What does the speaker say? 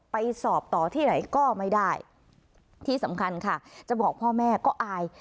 ไปสอบต่อที่ไหนก็ไม่ได้ที่สำคัญค่ะจะบอกพ่อแม่ก็อาย